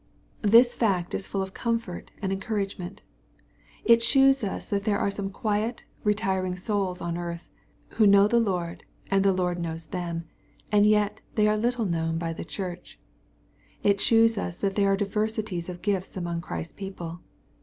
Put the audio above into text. This fact is full of comfort and encouragement. It shews us that there are some quiet, retiring souls on earth, who know the Lord, and the Lord knows them, and yet they are little known by the church. It shews us that there are diversities of gifts among Christ's people.